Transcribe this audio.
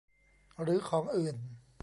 หรือของอื่น